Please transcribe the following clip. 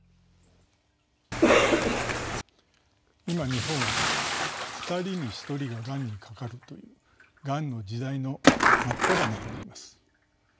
今日本は２人に１人ががんにかかるという「がんの時代」の真っただ中にいます。